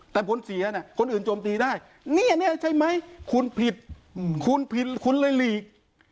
แต่ผลเสียคนอื่นโจมตีได้เนี่ยใช่ไหมคุณผิดคุณผิดคุณเลยหลีก